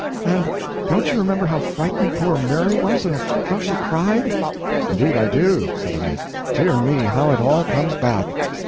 "And don't you remember how frightened poor Mary was, and how she cried?" "Indeed I do!" said I. "Dear me, how it all comes back!"